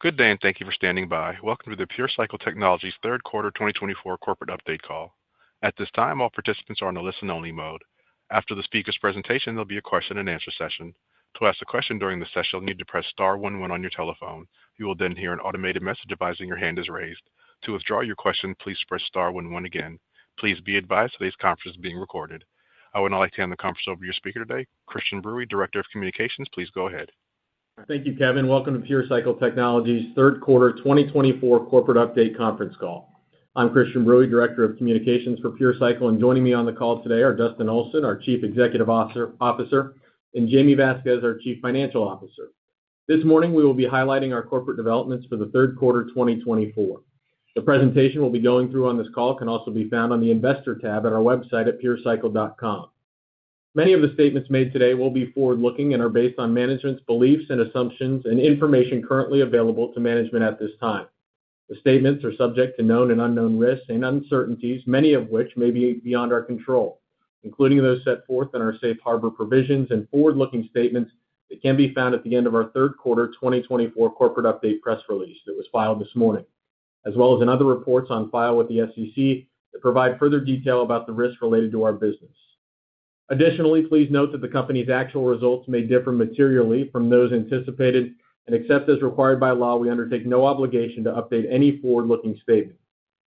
Good day and thank you for standing by. Welcome to the PureCycle Technologies third quarter 2024 corporate update call. At this time all participants are in the listen-only mode. After the speaker's presentation, there'll be a question and answer session. To ask a question during the session, you'll need to press Star 1 1 on your telephone. You will then hear an automated message advising your hand is raised to withdraw your question. Please press star 1 1 again. Please be advised today's conference is being recorded. I'd now like to hand the conference over to your speaker today, Christian Bruey, Director of Communications. Please go ahead. Thank you, Kevin. Welcome to PureCycle Technologies Third Quarter 2024 Corporate Update Conference Call. I'm Christian Bruey, Director of Communications for PureCycle and joining me on the call today are Dustin Olson, our Chief Executive Officer and Jaime Vasquez, our Chief Financial Officer. This morning we will be highlighting our corporate developments for the third quarter 2024. The presentation we'll be going through on this call can also be found on the Investor tab at our website at PureCycle.com. Many of the statements made today will be forward looking and are based on management's beliefs and assumptions and information currently available to management at this time. The statements are subject to known and unknown risks and uncertainties, many of which may be beyond our control, including those set forth in our Safe Harbor Provisions and forward-looking statements that can be found at the end of our third quarter 2024 corporate update press release that was filed this morning as well as in other reports on file with the SEC that provide further detail about the risks related to our business. Additionally, please note that the company's actual results may differ materially from those anticipated and except as required by law, we undertake no obligation to update any forward-looking statement.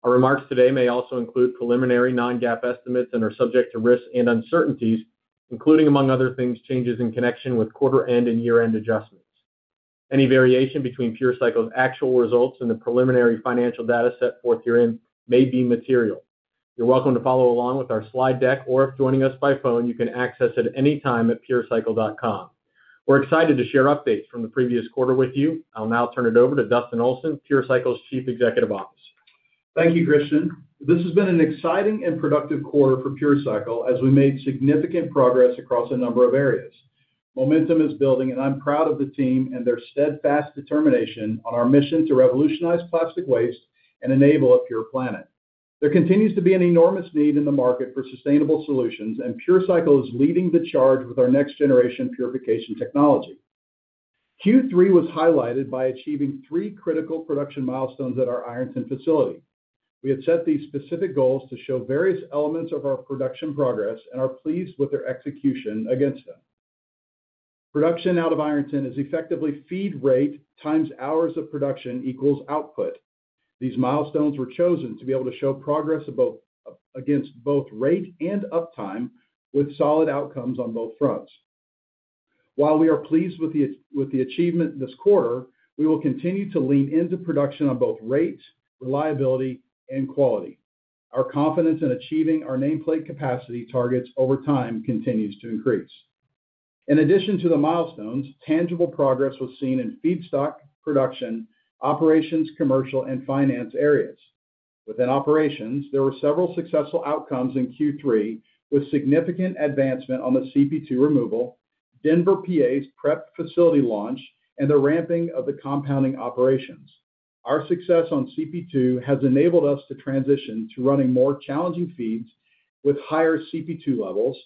Our remarks today may also include preliminary non-GAAP estimates and are subject to risks and uncertainties including among other things, changes in connection with quarter end and year end adjustments. Any variation between PureCycle's actual results and the preliminary financial data set forth herein may be material. You're welcome to follow along with our slide deck or if joining us by phone you can access it anytime @PureCycle.com. We're excited to share updates from the previous quarter with you. I'll now turn it over to Dustin Olson, PureCycle's Chief Executive Officer. Thank you, Christian. This has been an exciting and productive quarter for PureCycle as we made significant progress across a number of areas. Momentum is building and I'm proud of the team and their steadfast determination on our mission to revolutionize plastic waste and enable a pure planet. There continues to be an enormous need in the market for sustainable solutions and PureCycle is leading the charge with our next generation purification technology. Q3 was highlighted by achieving three critical production milestones at our Ironton facility. We had set these specific goals to show various elements of our production progress and are pleased with their execution against them. Production out of Ironton is effectively feed rate times hours of production equals output. These milestones were chosen to be able to show progress against both rate and uptime with solid outcomes on both fronts. While we are pleased with the achievement this quarter, we will continue to lean into production on both rate, reliability and quality. Our confidence in achieving our nameplate capacity targets over time continues to increase. In addition to the milestones, tangible progress was seen in feedstock production operations, commercial and finance areas. Within operations, there were several successful outcomes in Q3 with significant advancement on the CP2 removal, Denver, PA's prep facility launch and the ramping of the compounding operations. Our success on CP2 has enabled us to transition to running more challenging feeds with higher CP2 levels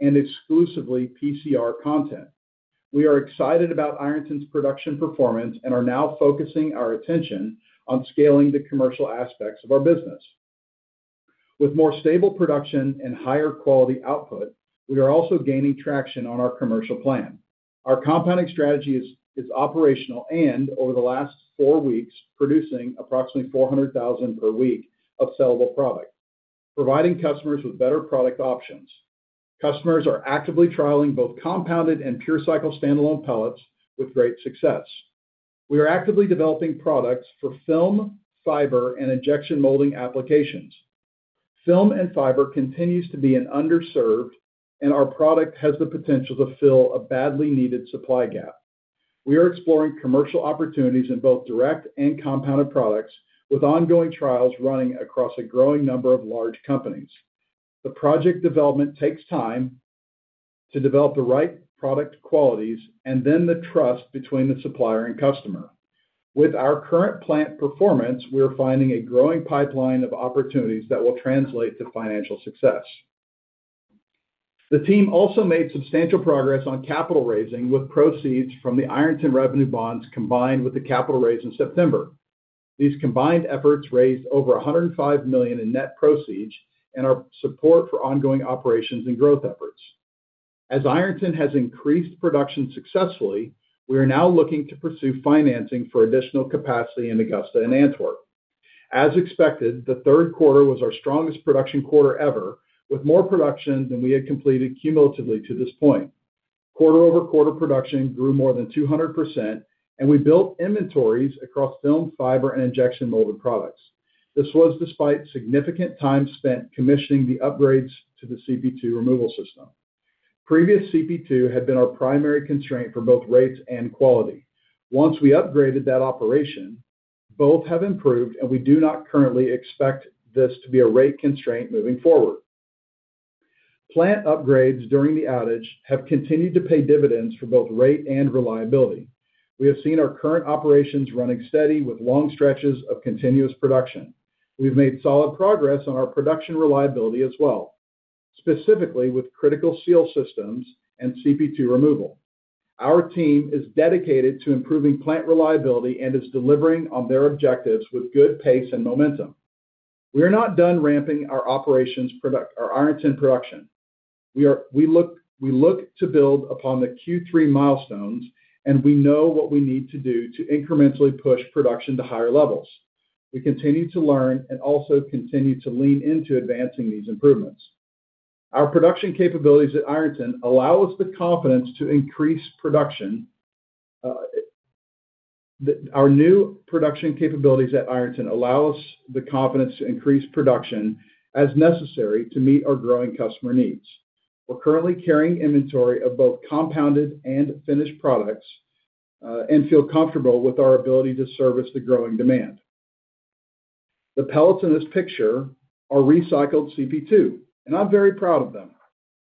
and exclusively PCR content. We are excited about Ironton's production performance and are now focusing our attention on scaling the commercial aspects of our business with more stable production and higher quality output. We are also gaining traction on our commercial plan. Our compounding strategy is operational and over the last four weeks producing approximately 400,000 per week of sellable product, providing customers with better product options. Customers are actively trialing both compounded and PureCycle standalone pellets with great success. We are actively developing products for film, fiber and injection molding applications. Film and fiber continues to be an underserved and our product has the potential to fill a badly needed supply gap. We are exploring commercial opportunities in both direct and compounded products with ongoing trials running across a growing number of large companies. The project development takes time to develop the right product qualities and then the trust between the supplier and customer. With our current plant performance, we are finding a growing pipeline of opportunities that will translate to financial success. The team also made substantial progress on capital raising with proceeds from the Ironton revenue bonds. Combined with the capital raise in September, these combined efforts raised over $105 million in net proceeds and our support for ongoing operations and growth efforts. As Ironton has increased production successfully, we are now looking to pursue financing for additional capacity in Augusta and Antwerp. As expected, the third quarter was our strongest production quarter ever with more production than we had completed cumulatively to this point. Quarter over quarter production grew more than 200% and we built inventories across film, fiber and injection molded products. This was despite significant time spent commissioning the upgrades to the CP2 removal system. Previous CP2 had been our primary constraint for both rates and quality. Once we upgraded that operation, both have improved and we do not currently expect this to be a rate constraint moving forward. Plant upgrades during the outage have continued to pay dividends for both rate and reliability. We have seen our current operations running steady with long stretches of continuous production. We've made solid progress on our production reliability as well, specifically with critical seal systems and CP2 removal. Our team is dedicated to improving plant reliability and is delivering on their objectives with good pace and momentum. We are not done ramping our operations. Our Ironton production. We look to build upon the Q3 milestones and we know what we need to do to incrementally push production to higher levels. We continue to learn and also continue to lean into advancing these improvements. Our production capabilities at Ironton allow us the confidence to increase production. Our new production capabilities at Ironton allow us the confidence to increase production as necessary to meet our growing customer needs. We're currently carrying inventory of both compounded and finished products and feel comfortable with our ability to service the growing demand. The pellets in this picture are recycled CP2 and I'm very proud of them.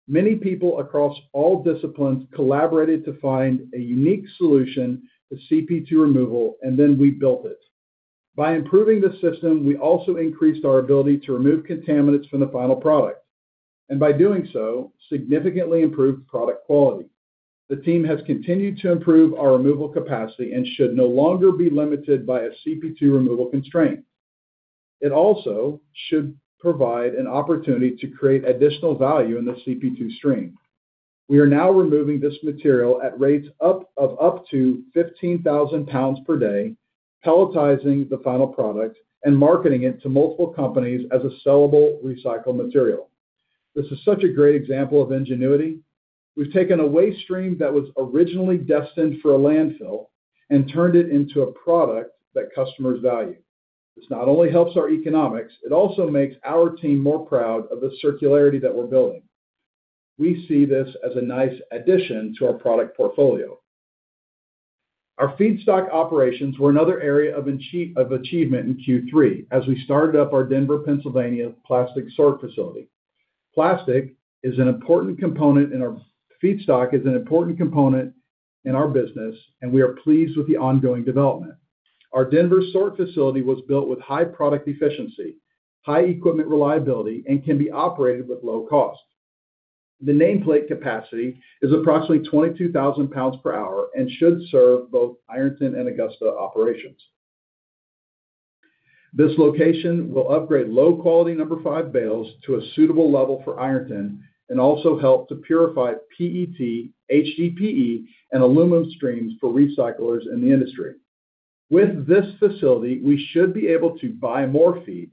Many people across all disciplines collaborated to find a unique solution to CP2 removal and then we built it. By improving the system, we also increased our ability to remove contaminants from the final product and by doing so, significantly improved product quality. The team has continued to improve our removal capacity and should no longer be limited by a CP2 removal constraint. It also should provide an opportunity to create additional value in the CP2 stream. We are now removing this material at rates of up to 15,000 pounds per day, pelletizing the final product and marketing it to multiple companies as a sellable recycled material. This is such a great example of ingenuity. We've taken a waste stream that was originally destined for a landfill and turned it into a product that customers value. This not only helps our economics, it also makes our team more proud of the circularity that we're building. We see this as a nice addition to our product portfolio. Our feedstock operations were another area of achievement in Q3 as we started up our Denver, Pennsylvania plastic sort facility. Plastic is an important component in our feedstock. It is an important component in our business, and we are pleased with the ongoing development. Our Denver sort facility was built with high product efficiency, high equipment reliability, and can be operated with low cost. The nameplate capacity is approximately 22,000 pounds per hour and should serve both Ironton and Augusta operations. This location will upgrade low-quality No. 5 bales to a suitable level for Ironton and also help to purify PET, HDPE, and aluminum streams for recyclers in the industry. With this facility we should be able to buy more feed,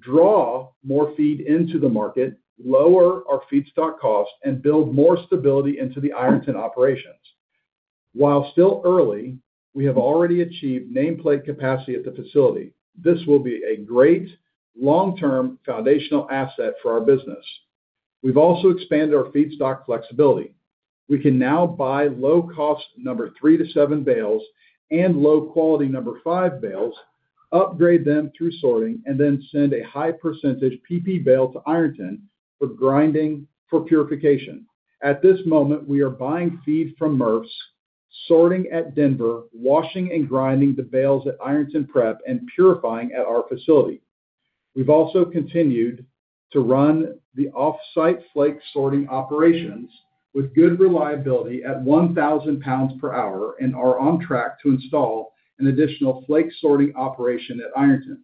draw more feed into the market, lower our feedstock cost, and build more stability into the Ironton operations. While still early, we have already achieved nameplate capacity at the facility. This will be a great long-term foundational asset for our business. We've also expanded our feedstock flexibility. We can now buy low cost number three to seven bales and low quality number five bales, upgrade them through sorting and then send a high percentage PP bale to Ironton for grinding for purification. At this moment we are buying feed from MRFs, sorting at Denver, washing and grinding the bales at Ironton, prep and purifying at our facility. We've also continued to run the off-site flake sorting operations with good reliability at 1,000 pounds per hour and are on track to install an additional flake sorting operation at Ironton.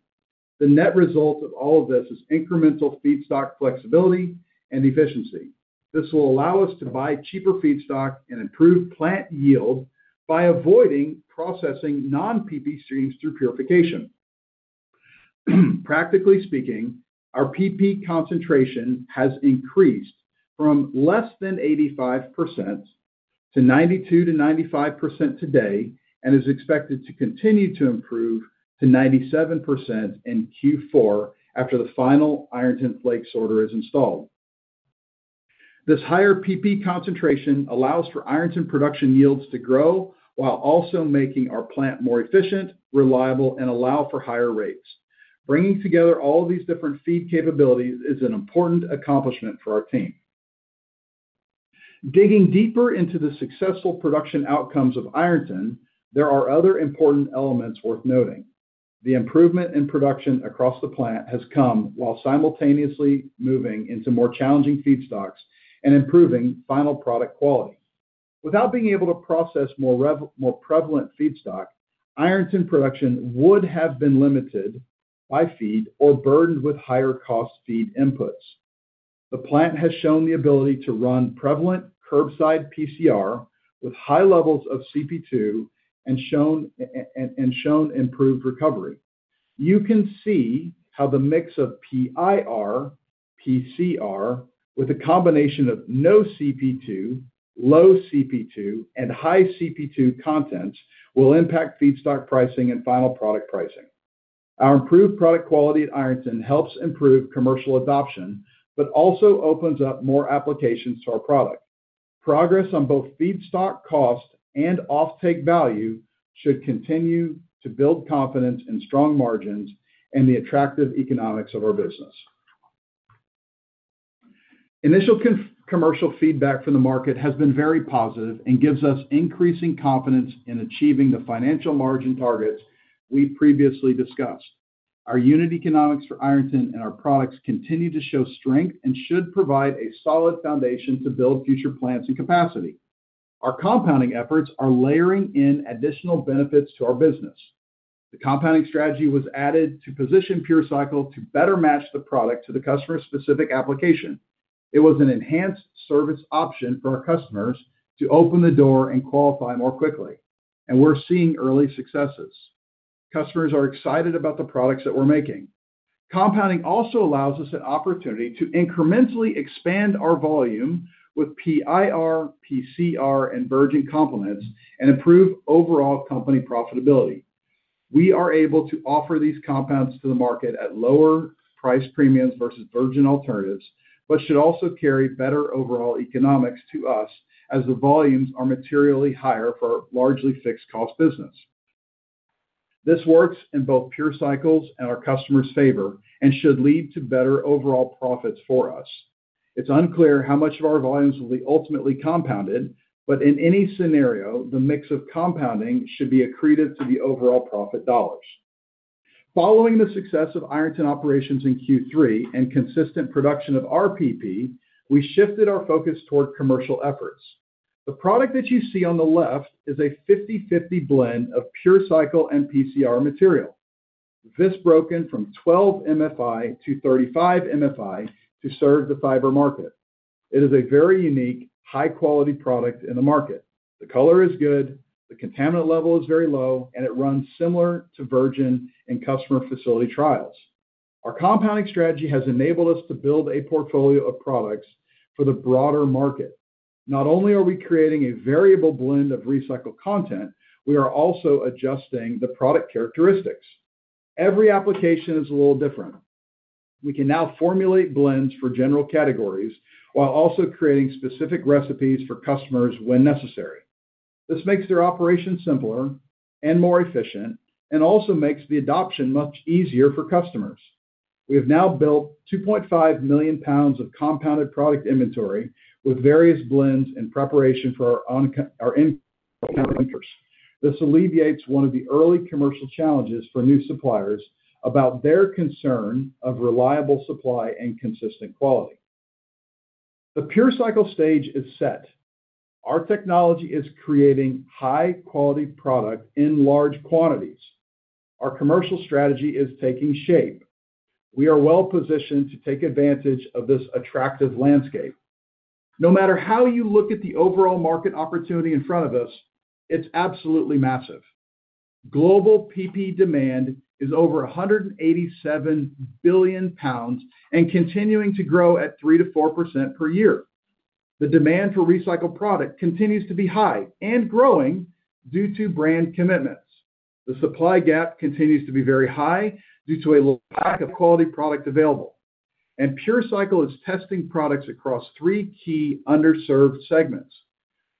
The net result of all of this is incremental feedstock flexibility and efficiency. This will allow us to buy cheaper feedstock and improve plant yield by avoiding processing non PP streams through purification. Practically speaking, our PP concentration has increased from less than 85% to 92%-95% today and is expected to continue to improve to 97% in Q4 after the final Ironton flake sorter is installed. This higher PP concentration allows for Ironton production yields to grow while also making our plant more efficient, reliable and allow for higher rates. Bringing together all of these different feed capabilities is an important accomplishment for our team. Digging deeper into the successful production outcomes of Ironton, there are other important elements worth noting. The improvement in production across the plant has come while simultaneously moving into more challenging feedstocks and improving final product quality. Without being able to process more prevalent feedstock, Ironton production would have been limited by feed or burdened with higher cost feed inputs. The plant has shown the ability to run prevalent curbside PCR with high levels of CP2 and shown improved recovery. You can see how the mix of PIRs with a combination of no CP2, low CP2 and high CP2 content will impact feedstock pricing and final product pricing. Our improved product quality at Ironton helps improve commercial adoption but also opens up more applications to our product progress on both feedstock cost and offtake value. Should continue to build confidence in strong margins and the attractive economics of our business. Initial commercial feedback from the market has been very positive and gives us increasing confidence in achieving the financial margin targets we previously discussed. Our unit economics for Ironton and our products continue to show strength and should provide a solid foundation to build future plants and capacity. Our compounding efforts are layering in additional benefits to our business. The compounding strategy was added to position PureCycle to better match the product to the customer specific application. It was an enhanced service option for our customers to open the door and qualify more quickly and we're seeing early successes. Customers are excited about the products that we're making. Compounding also allows us an opportunity to incrementally expand our volume with PIR, PCR and virgin complements and improve overall company profitability. We are able to offer these compounds to the market at lower price premiums versus virgin alternatives. But should also carry better overall economics to us as the volumes are materially higher for largely fixed cost business. This works in both PureCycle's and our customers favor and should lead to better overall profits for us. It's unclear how much of our volumes will be ultimately compounded, but in any scenario the mix of compounding should be accretive to the overall profit dollars. Following the success of Ironton operations in Q3 and consistent production of RPP, we shifted our focus toward commercial efforts. The product that you see on the left is a 50-50 blend of PureCycle and PCR material. This broken from 12 MFI to 35 MFI to serve the fiber market. It is a very unique high quality product in the market. The color is good, the contaminant level is very low and it runs similar to virgin in customer facility trials. Our compounding strategy has enabled us to build a portfolio of products for the broader market. Not only are we creating a variable blend of recycled content, we are also adjusting the product characteristics. Every application is a little different. We can now formulate blends for general categories while also creating specific recipes for customers when necessary. This makes their operation simpler and more efficient and also makes the adoption much easier for customers. We have now built 2.5 million pounds of compounded product inventory with various blends in preparation for our. This alleviates one of the early commercial challenges for new suppliers about their concern of reliable supply and consistent quality. The PureCycle stage is set. Our technology is creating high quality product in large quantities. Our commercial strategy is taking shape. We are well positioned to take advantage of this attractive landscape. No matter how you look at the overall market opportunity in front of us. It's absolutely massive. Global PP demand is over $187 billion and continuing to grow at 3%-4% per year. The demand for recycled product continues to be high and growing due to brand commitments. The supply gap continues to be very high due to a lack of quality product available. PureCycle is testing products across three key underserved segments.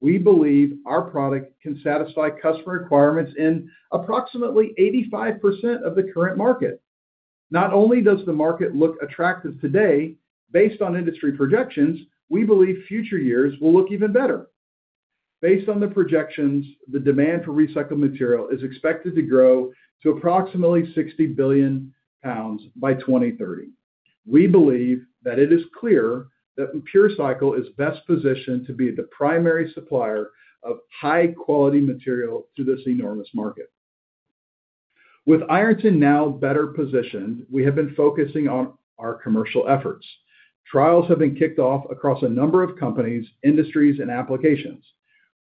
We believe our product can satisfy customer requirements in approximately 85% of the current market. Not only does the market look attractive today, based on industry projections, we believe future years will look even better. Based on the projections, the demand for recycled material is expected to grow to approximately 60 billion pounds by 2030. We believe that it is clear that PureCycle is best positioned to be the primary supplier of high quality material to this enormous market. With Ironton now better positioned, we have been focusing on our commercial efforts. Trials have been kicked off across a number of companies, industries and applications.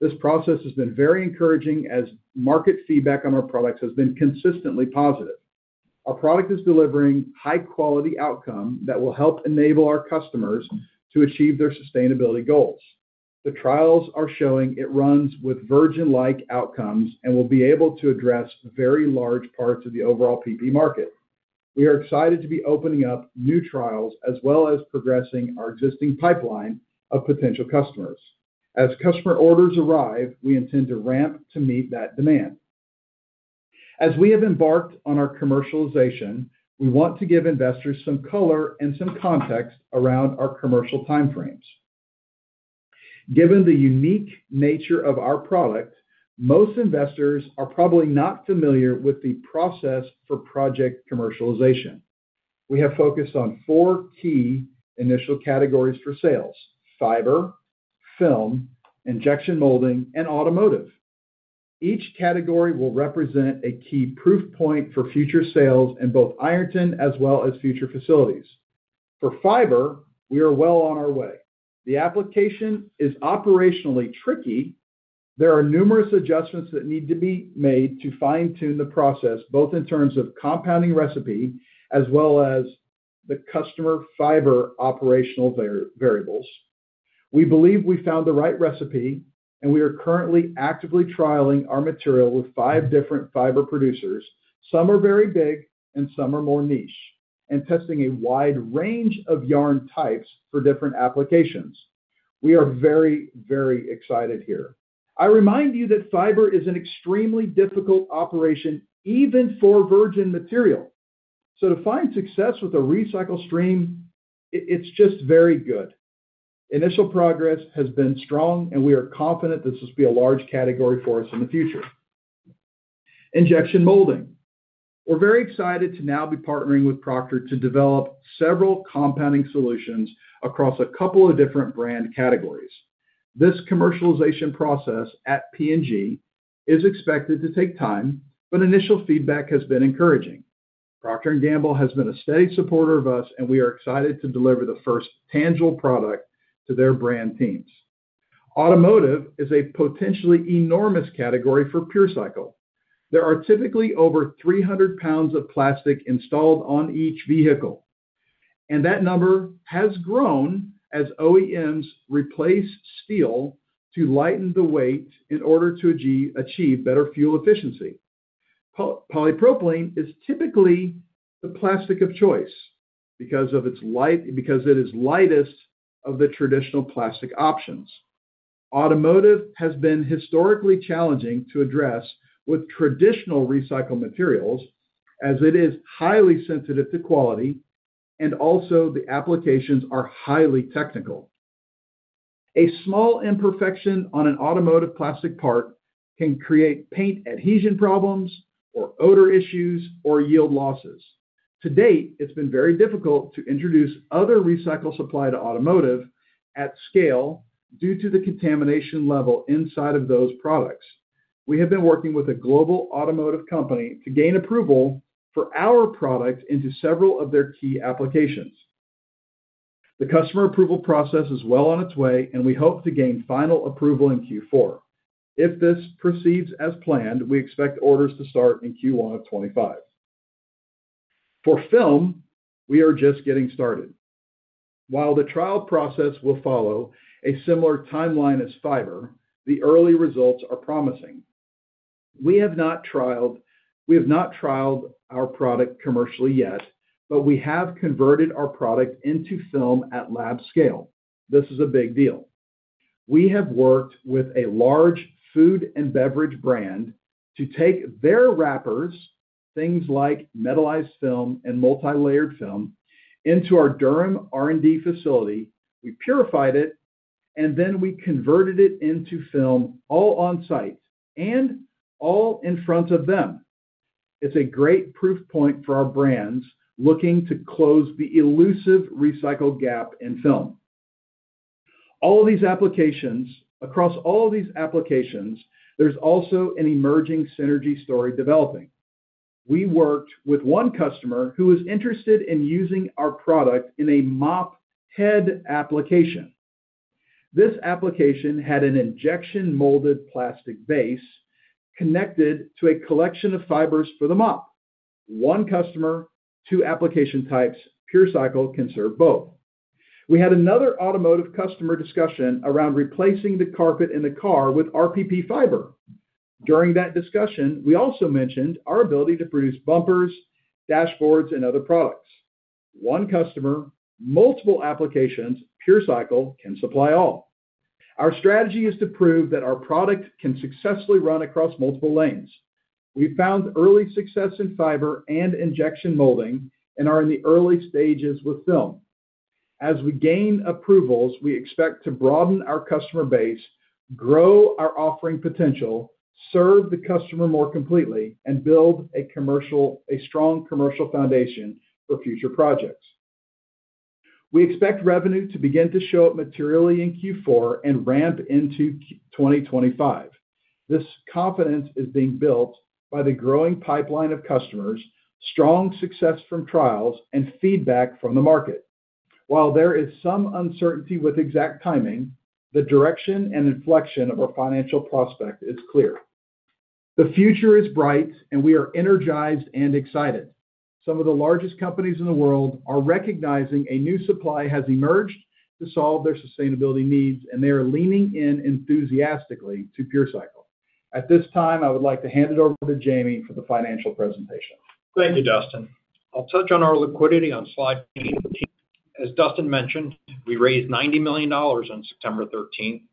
This process has been very encouraging as market feedback on our products has been consistently positive. Our product is delivering high quality outcome that will help enable our customers to achieve their sustainability goals. The trials are showing it runs with virgin like outcomes and will be able to address very large parts of the overall PP market. We are excited to be opening up new trials as well as progressing our existing pipeline of potential customers. As customer orders arrive, we intend to ramp to meet that demand. As we have embarked on our commercialization, we want to give investors some color and some context around our commercial time frames. Given the unique nature of our product, most investors are probably not familiar with the process. For project commercialization, we have focused on four key initial categories for sales. Fiber, film, injection molding and automotive. Each category will represent a key proof point for future sales in both Ironton as well as future facilities for fiber. We are well on our way. The application is operationally tricky. There are numerous adjustments that need to be made to fine tune the process both in terms of compounding recipe as well as the customer fiber operational variables. We believe we found the right recipe and we are currently actively trialing our material with five different fiber producers. Some are very big and some are more niche and testing a wide range of yarn types for different applications. We are very, very excited here. I remind you that fiber is an extremely difficult operation even for virgin material. So to find success with a recycle stream, it's just very good. Initial progress has been strong and we are confident this will be a large category for us in the future. Injection molding we're very excited to now be partnering with Procter to develop several compounding solutions across a couple of different brand categories. This commercialization process at P&G is expected to take time, but initial feedback has been encouraging. Procter & Gamble has been a steady supporter of us and we are excited to deliver the first tangible product to their brand teams. Automotive is a potentially enormous category for PureCycle. There are typically over300 pounds of plastic installed on each vehicle and that number has grown as OEMs replace steel to lighten the weight in order to achieve better fuel efficiency. Polypropylene is typically the plastic of choice because of its light. Because it is lightest of the traditional plastic options. Automotive has been historically challenging to address with traditional recycled materials as it is highly sensitive to quality and also the applications are highly technical. A small imperfection on an automotive plastic part can create paint adhesion problems or odor issues or yield losses. To date, it's been very difficult to introduce other recycle supply to automotive at scale due to the contamination level inside of those products. We have been working with a global automotive company to gain approval for our product into several of their key applications. The customer approval process is well on its way and we hope to gain final approval in Q4. If this proceeds as planned, we expect orders to start in Q1 of 2025 for film. We are just getting started. While the trial process will follow a similar timeline as fiber, the early results are promising. We have not trialed our product commercially yet, but we have converted our product into film at lab scale. This is a big deal. We have worked with a large food and beverage brand to take their wrappers, things like metallized film and multi-layered film into our Durham R&D facility. We purified it and then we converted it into film. All on site and all in front of them. It's a great proof point for our brands looking to close the elusive recycle gap in film. All of these applications across all of these applications, there's also an emerging synergy story developing. We worked with one customer who was interested in using our product in a mop head application. This application had an injection molded plastic base connected to a collection of fibers for the mop. One customer, two application types. PureCycle can serve both. We had another automotive customer discussion around replacing the carpet in the car with RPP fiber. During that discussion we also mentioned our ability to produce bumpers, dashboards and other products. One customer multiple applications PureCycle can supply all. Our strategy is to prove that our product can successfully run across multiple lanes. We found early success in fiber and injection molding and are in the early stages with film. As we gain approvals, we expect to broaden our customer base, grow our offering potential, serve the customer more completely and build a strong commercial foundation for future projects. We expect revenue to begin to show up materially in Q4 and ramp into 2025. This confidence is being built by the growing pipeline of customers, strong success from trials and feedback from the market. While there is some uncertainty with exact timing, the direction and inflection of our financial prospect is clear. The future is bright and we are energized and excited. Some of the largest companies in the world are recognizing a new supply has emerged to solve their sustainability needs and they are leaning in enthusiastically to PureCycle. At this time I would like to hand it over to Jaime for the financial presentation. Thank you, Dustin. I'll touch on our liquidity on Slide 8, as Dustin mentioned. We raised $90 million on September 13th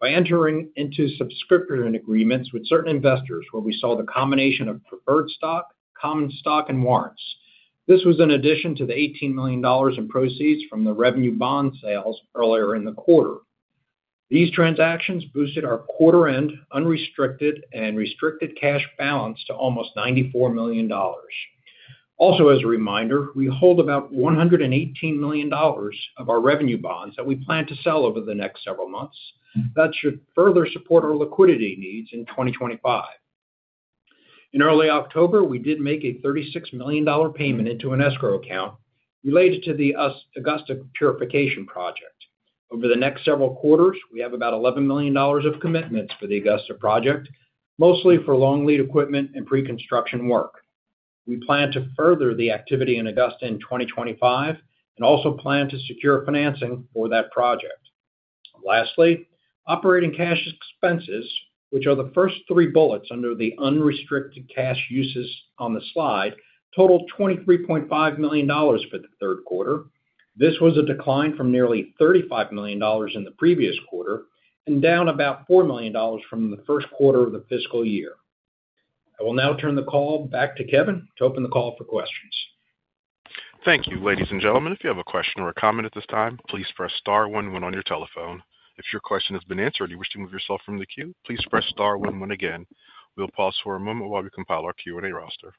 by entering into subscription agreements with certain investors where we sold the combination of preferred stock, common stock and warrants. This was in addition to the $18 million in proceeds from the revenue bond sales earlier in the quarter. These transactions boosted our quarter-end, unrestricted and restricted cash balance to almost $94 million. Also, as a reminder, we hold about $118 million of our revenue bonds that we plan to sell over the next several months. That should further support our liquidity needs in 2025. In early October we did make a $36 million payment into an escrow account related to the Augusta Purification Project. Over the next several quarters we have about $11 million of commitments for the Augusta project, mostly for long lead equipment and pre construction work. We plan to further the activity in Augusta in 2025 and also plan to secure financing for that project. Lastly, operating cash expenses which are the first three bullets under the unrestricted cash uses on the slide, totaled $23.5 million for the third quarter. This was a decline from nearly $35 million in the previous quarter and down about $4 million from the first quarter of the fiscal year. I will now turn the call back to Kevin to open the call for questions. Thank you, ladies and gentlemen. If you have a question or a comment at this time, please press star 1 1 on your telephone. If your question has been answered, you wish to remove yourself from the queue, please press star 1 1 again. We'll pause for a moment while we compile our Q and A roster.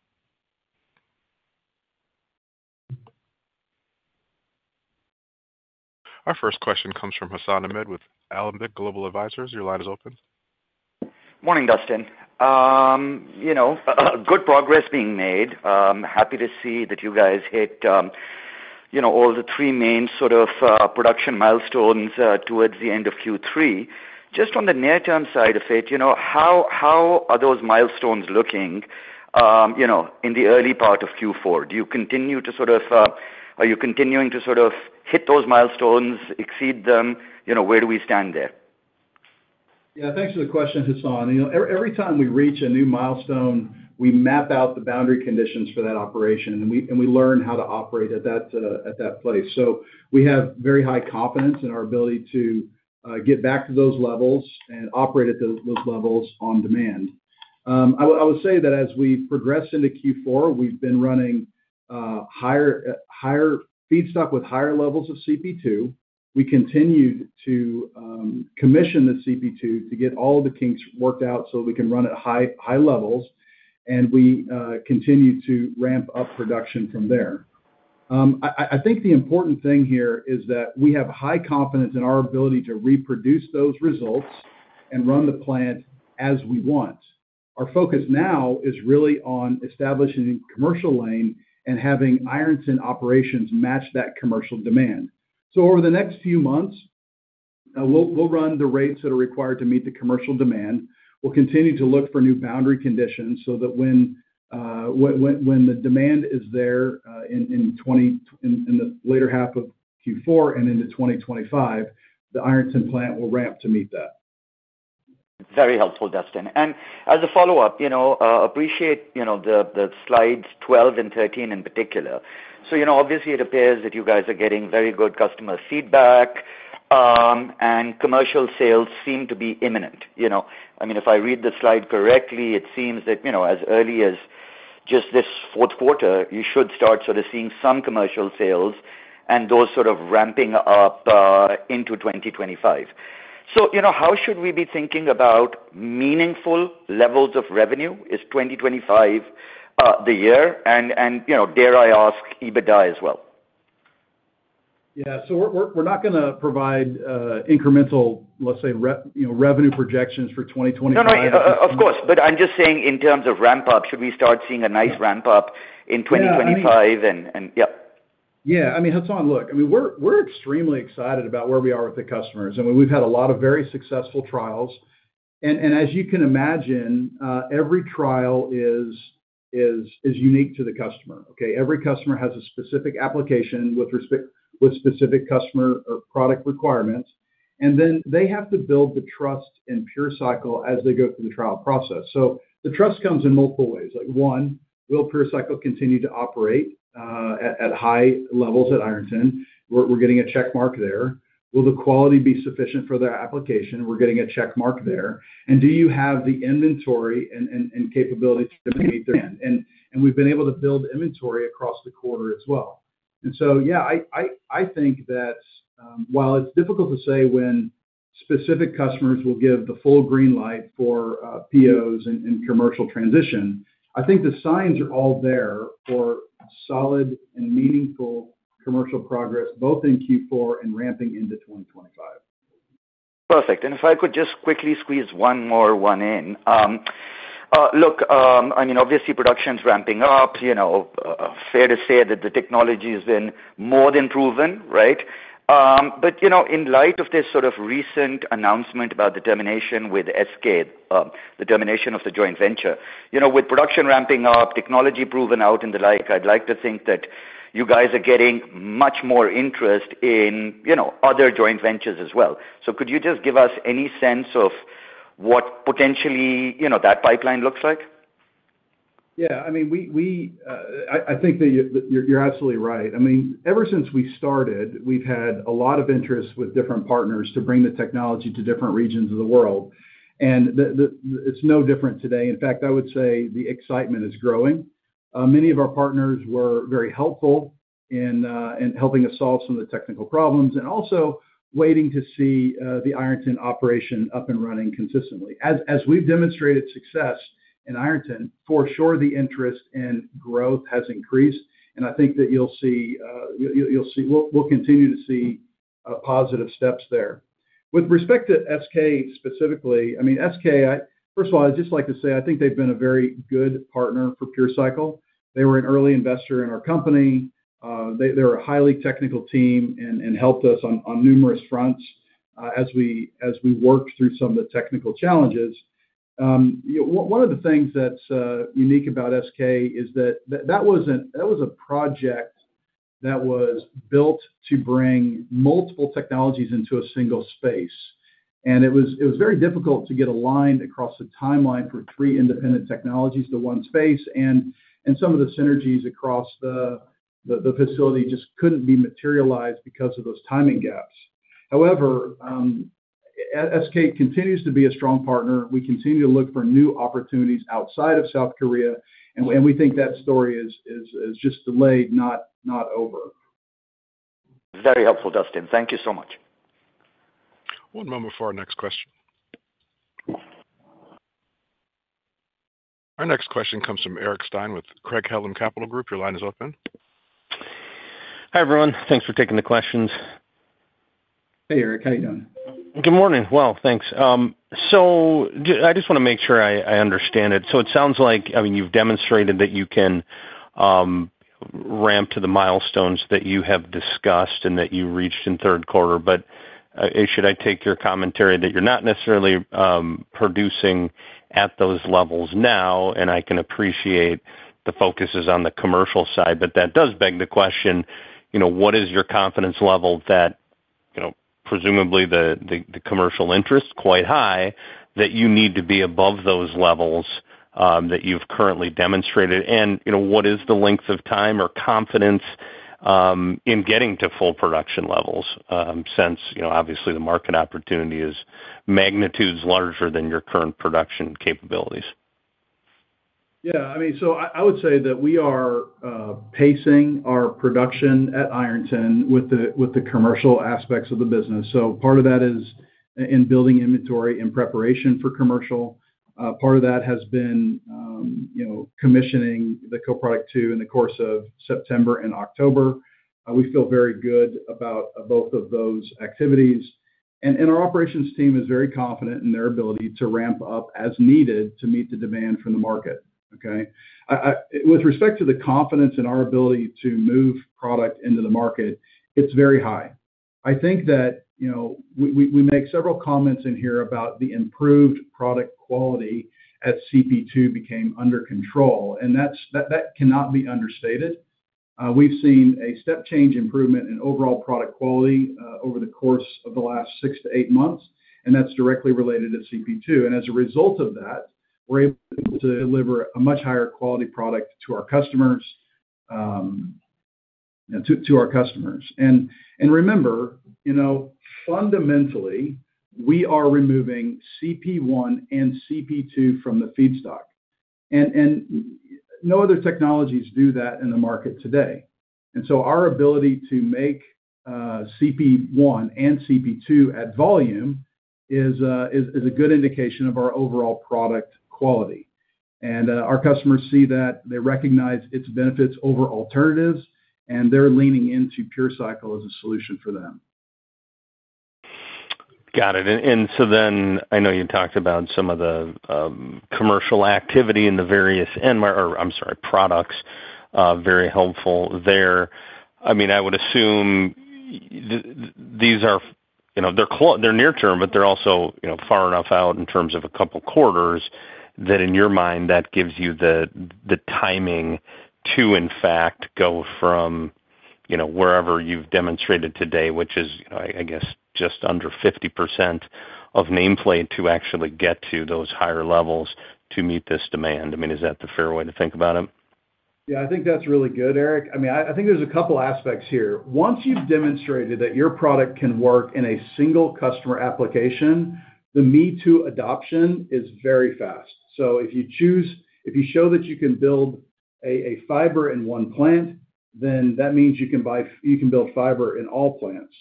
Our first question comes from Hassan Ahmed with Alembic Global Advisors. Your line is open. Morning, Dustin. You know, good progress being made. Happy to see that you guys hit, you know, all the three main sort of production milestones towards the end of Q3, just on the near term side of it, you know, how are those milestones looking? You know, in the early part of Q4, are you continuing to sort of hit those milestones, exceed them? You know, where do we stand there? Yeah, thanks for the question, Hassan. You know, every time we reach a new milestone, we map out the boundary conditions for that operation and we learn how to operate at that place. So we have very high confidence in our ability to get back to those levels and operate at those levels on demand. I would say that as we progress into Q4, we've been running higher feedstock with higher levels of CP2. We continued to commission the CP2 to get all the kinks worked out so we can run at high levels and we continue to ramp up production from there. I think the important thing here is that we have high confidence in our ability to reproduce those results and run the plant as we want. Our focus now is really on establishing commercial lane and having Ironton operations match that commercial demand. Over the next few months, we'll run the rates that are required to meet the commercial demand. We'll continue to look for new boundary conditions so that when the demand is there in the later half of Q4 and into 2025, the Ironton plant will ramp to meet that. Very helpful, Dustin. As a follow up, I appreciate the slides 12 and 13 in particular. Obviously it appears that you guys are getting very good customer feedback and commercial sales seem to be imminent.I mean, if I read the slide correctly, it seems that as early as just this fourth quarter, you should start sort of seeing some commercial sales and those sort of ramping up into 2025. So, you know, how should we be thinking about meaningful levels of revenue? Is 2025 the year and you know, dare I ask EBITDA as well. Yeah. So we're not going to provide incremental say, revenue projections for 2025, Of course, but I'm just saying in terms of ramp up, should we start seeing a nice ramp up in 2025 and. Yep. Yeah. I mean, Hassan, look, I mean, we're extremely excited about where we are with the customers and we've had a lot of very successful trials. And as you can imagine, every trial is unique to the customer. Okay. Every customer has a specific application with respect to specific customer or product requirements. Then they have to build the trust in PureCycle as they go through the trial process. The trust comes in multiple ways. Like one, will PureCycle continue to operate at high levels at Ironton? We're getting a check mark there. Will the quality be sufficient for the application? We're getting a check mark there. Do you have the inventory and capability to meet demand? We've been able to build inventory across the quarter as well. Yeah, I think that while it's difficult to say when specific customers will give the full green light for POS and commercial transition, I think the signs are all there for solid and meaningful commercial progress both in Q4 and ramping into 2025. Perfect, if I could just quickly squeeze one more in. Look, I mean, obviously production's ramping up. You know, fair to say that the technology has been more than proven right. But, you know, in light of this sort of recent announcement about the termination with SK, the termination of the joint venture, you know, with production ramping up, technology proven out, and the like, I'd like to think that you guys are getting much more interest in, you know, other joint ventures as well. So could you just give us any sense of what potentially, you know, that pipeline looks like? Yeah, I mean, I think that you're absolutely right. I mean, ever since we started, we've had a lot of interest with different partners to bring the technology to different regions of the world. And it's no different today. In fact, I would say the excitement is growing. Many of our partners were very helpful in helping us solve some of the technical problems and also waiting to see the Ironton operation up and running consistently. As we've demonstrated success in Ironton, for sure, the interest in growth has increased. And I think that you'll see, you'll see, we'll continue to see positive steps there. With respect to SK specifically, I mean, SK, first of all, I'd just like to say I think they've been a very good partner for PureCycle. They were an early investor in our company. They're a highly technical team and helped us on numerous fronts as we worked through some of the technical challenges. One of the things that's unique about SK is that that was a project that was built to bring multiple technologies into a single space. It was very difficult to get aligned across the timeline for three independent technologies, the one space, and some of the synergies across the facility just couldn't be materialized because of those timing gaps. However, SK continues to be a strong partner. We continue to look for new opportunities outside of South Korea, and we think that story is just delayed, not over. Very helpful, Dustin. Thank you so much. One moment for our next question. Our next question comes from Eric Stine with Craig-Hallum Capital Group. Your line is open. Hi everyone. Thanks for taking the questions. Hey Eric, how are you doing? Good morning. Well, thanks. So I just want to make sure I understand it. So it sounds like, I mean you've demonstrated that you can ramp to the milestones that you have discussed and that you reached in third quarter. But should I take your commentary that you're not necessarily producing at those levels now? And I can appreciate the focus is on the commercial side, but that does beg the question what is your confidence level that presumably the commercial interest quite high that you need to be above those levels that you've currently demonstrated? And what is the length of time or confidence in getting to full production levels since obviously the market opportunity is magnitudes larger than your current production capabilities? Yeah, I would say that we are pacing our production at Ironton with the commercial aspects of the business. So part of that is in building inventory in preparation for commercial. Part of that has been, you know, commissioning the co-product 2 in the course of September and October. We feel very good about both of those activities and our operations team is very confident in their ability to ramp up as needed to meet the demand from the market. Okay. With respect to the confidence in our ability to move product into the market, it's very high. I think that, you know, we make several comments in here about the improved product quality as CP2 became under control and that cannot be understated. We've seen a step change improvement in overall product quality over the course of the last six to eight months, and that's directly related to CP2, and as a result of that we're able to deliver a much higher quality product to our customers, and remember, you know, fundamentally we are removing CP1 and CP2 from the feedstock and no other technologies do that in the market today. And so our ability to make CP1 and CP2 at volume is a good indication of our overall product quality. Our customers see that. They recognize its benefits over alternatives, and they're leaning into PureCycle as a solution for them. Got it. And so then I know you talked about some of the commercial activity in the various products. Very helpful there. I mean, I would assume these are. They're near term, but they're also far enough out in terms of a couple quarters that in your mind that gives you the timing to in fact go from wherever you've demonstrated today, which is I guess just under 50% of nameplate, to actually get to those higher levels to meet this demand. Is that the fair way to think about it? Yeah, I think that's really good, Eric. I think there's a couple aspects here. Once you've demonstrated that your product can work in a single customer application, the me too adoption is very fast, so if you choose, if you show that you can build a fiber in one plant, then that means you can build fiber in all plants.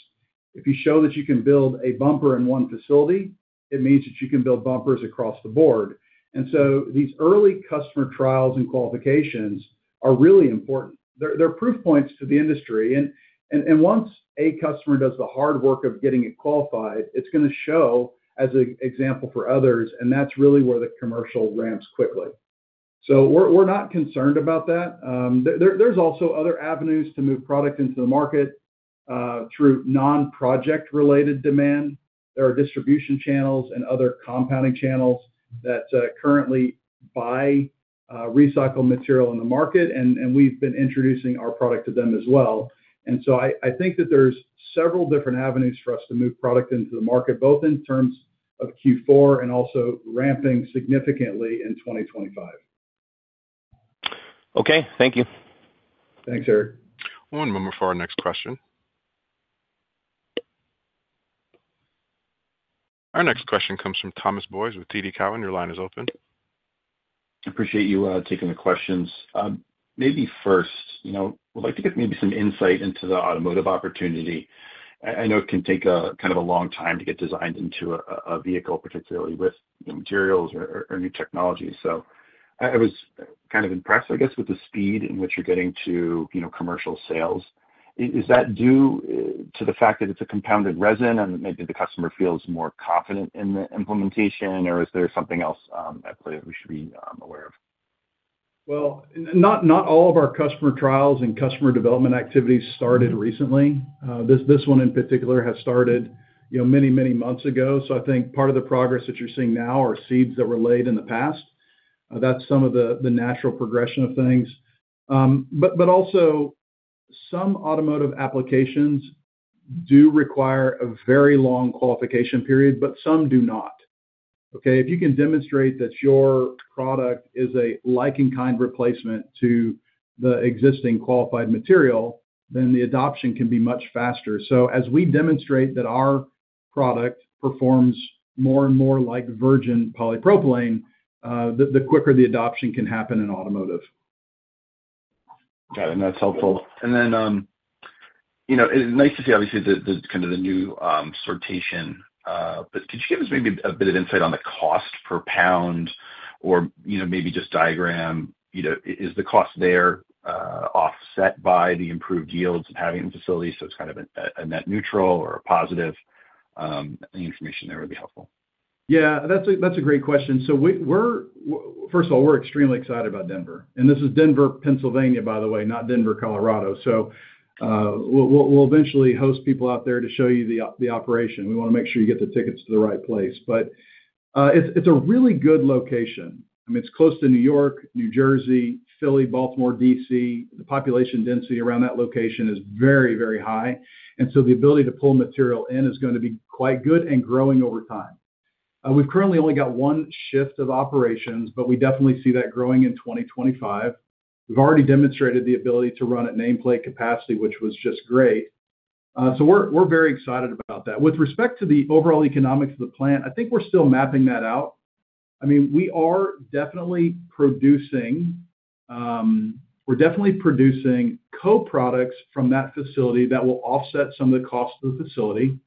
If you show that you can build a bumper in one facility, it means that you can build bumpers across the board, and so these early customer trials and qualifications are really important. They're proof points to the industry, and once a customer does the hard work of getting it qualified, it's gonna show as an example for others, and that's really where the commercial ramps quickly, so we're not concerned about that. There's also other avenues to move product into the market through non project related demand. There are distribution channels and other compounding channels that currently buy recycled material in the market. And we've been introducing our product to them as well. And so I think that there's several different avenues for us to move product into the market, both in terms of Q4 and also ramping significantly in 2025. Okay, thank you. Thanks, Eric. One moment for our next question. Our next question comes from Thomas Boyes with TD Cowen. Your line is open. Appreciate you taking the questions. Maybe first, you know, would like to get maybe some insight into the automotive opportunity. I know it can take a kind of a long time to get designed into a vehicle, particularly with materials or new technology. So I was kind of impressed, I guess, with the speed in which you're getting to, you know, commercial sales. Is that due to the fact that it's a compounded resin and maybe the customer feels more confident in the implementation? Or is there something else we should be aware of? Well, not all of our customer trials and customer development activities started recently. This one in particular has started many, many months ago. So I think part of the progress that you're seeing now are seeds that were laid in the past. That's some of the natural progression of things. But also some automotive applications do require a very long qualification period, but some do not. Okay. If you can demonstrate that your product is a like and kind replacement to the existing qualified material, then the adoption can be much faster. So as we demonstrate that our product performs more and more like virgin polypropylene, the quicker the adoption can happen in automotive. Got it. That's helpful. Then, you know, it's nice to see obviously the kind of new sortation. But could you give us maybe a bit of insight on the cost per pound or maybe just diagram. Is the cost there offset by the improved yields of having facilities? So it's kind of a net neutral or a positive? The information there would be helpful. Yeah, that's a great question. So we're first of all extremely excited about Denver and this is Denver, Pennsylvania by the way, not Denver, Colorado. So we'll eventually host people out there to show you the operation. We want to make sure you get the tickets to the right place. But it's a really good location. I mean it's close to New York, New Jersey, Philly, Baltimore, D.C., the population density around that location is very, very high. The ability to pull material in is going to be quite good and growing over time. We've currently only got one shift of operations, but we definitely see that growing in 2025. We've already demonstrated the ability to run at nameplate capacity, which was just great. We're very excited about that. With respect to the overall economics of the plant, I think we're still mapping that out. I mean we are definitely producing co-products from that facility that will offset some of the cost of the facility.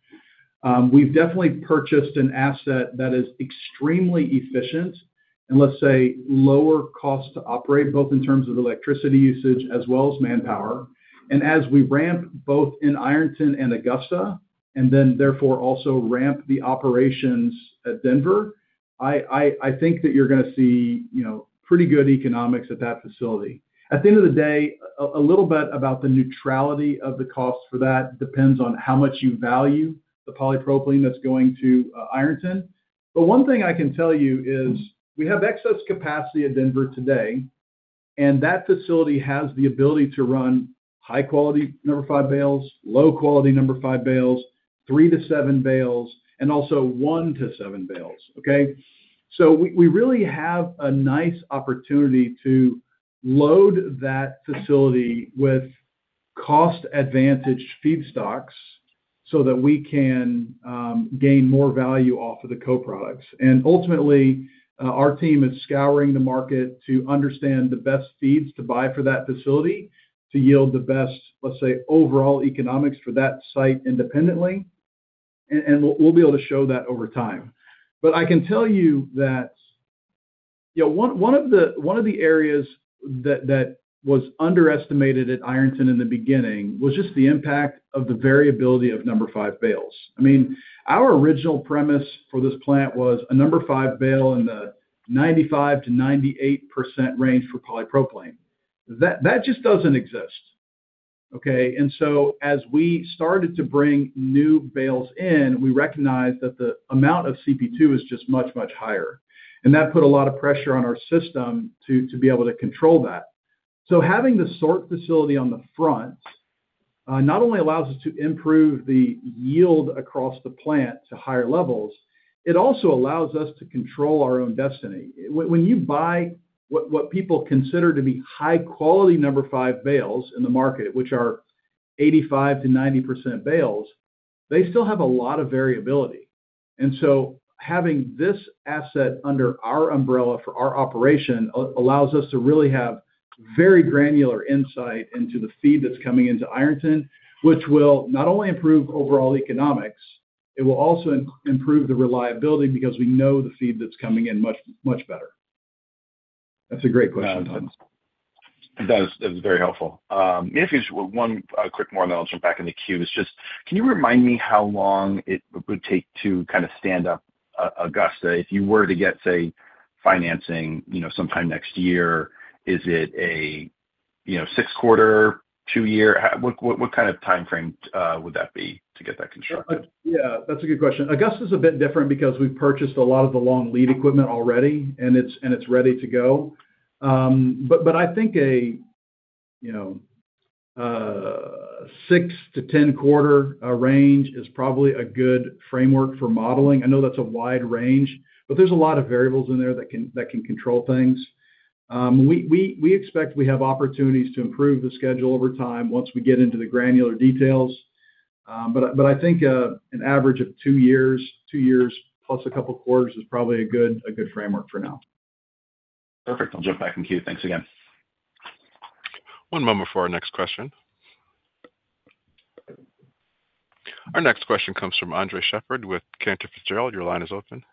We've definitely purchased an asset that is extremely efficient and let's say lower cost to operate both in terms of electricity usage as well as manpower. As we ramp both in Ironton and Augusta and then therefore also ramp the operations at Denver, I think that you're going to see pretty good economics at that facility. At the end of the day, a little bit about the neutrality of the cost for that depends on how much you value the polypropylene that's going to Ironton. One thing I can tell you is we have excess capacity at Denver today. That facility has the ability to run high quality number five bales, low quality number five bales, three to seven bales and also one to seven bales. Okay, so we really have a nice opportunity to load that facility with cost-advantaged feedstocks so that we can gain more value off of the co-products. Ultimately our team is scouring the market to understand the best feeds to buy for that facility to yield the best, let's say, overall economics for that site independently. We'll be able to show that over time. But I can tell you that one of the areas that was underestimated at Ironton in the beginning was just the impact of the variability of No. 5 bales. I mean, our original premise for this plant was a No. 5 bale in the 95%-98% range for polypropylene. That just doesn't exist. Okay. So as we started to bring new bales in, we recognized that the amount of CP2 is just much, much higher. That put a lot of pressure on our system to be able to control that. Having the SORT facility on the front not only allows us to improve the yield across the plant to higher levels. It also allows us to control our own destiny. When you buy what people consider to be high quality No. 5 bales in the market, which are 85%-90% bales, they still have a lot of variability. And so having this asset under our umbrella for our operation allows us to really have very granular insight into the feed that's coming into Ironton, which will not only improve overall economics. It will also improve the reliability because we know the feed that's coming in much, much better. That's a great response. That's very helpful. One quick more and then I'll jump back in the queue is just. Can you remind me how long it would take to kind of stand up Augusta if you were to get, say, financing, you know, sometime next year? Is it a, you know, six quarter, two year? What kind of time frame would that be to get that constructed? Yeah, that's a good question. Augusta's a bit different because we purchased a lot of the long lead equipment already, and it's ready to go. But I think a, you know, six to ten quarter range is probably a good framework for modeling. I know that's a wide range, but there's a lot of variables in there that can control things. We expect we have opportunities to improve the schedule over time once we get into the granular details. But I think an average of two years, two years plus a couple quarters is probably a good framework for now. Perfect. I'll jump back in queue. Thanks again. One moment for our next question. Our next question comes from Andres Sheppard with Cantor Fitzgerald. Your line is open.